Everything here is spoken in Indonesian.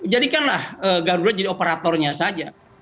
jadikanlah garuda jadi operatornya saja